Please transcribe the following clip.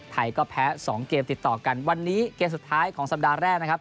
ไทยก็แพ้๒เกมติดต่อกันวันนี้เกมสุดท้ายของสัปดาห์แรกนะครับ